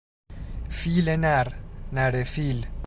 فیل نر، نره فیل